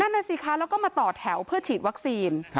นั่นน่ะสิคะแล้วก็มาต่อแถวเพื่อฉีดวัคซีน